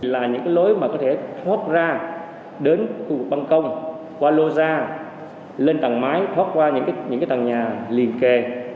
là những cái lối mà có thể thoát ra đến khu vực băng công qua lô ra lên tầng máy thoát qua những cái tầng nhà liền kề